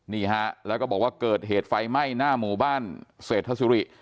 นี่ฮะแล้วก็บอกว่าเกิดเหตุไฟไหม้หน้าหมู่บ้านเศรษฐศิริ